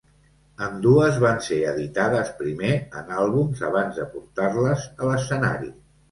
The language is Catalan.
Ambdues van ser editades primer en àlbums abans de portar-les a l'escenari.